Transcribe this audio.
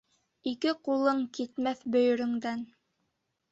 Ике ҡулың китмәҫ бөйөрөңдән.